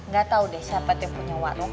gak tau deh siapa yang punya warung itu